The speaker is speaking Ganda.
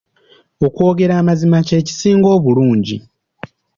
Okwogera amazima kye kisinga obulungi.